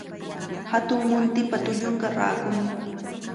Hatun muntipa tullunqa rakumi.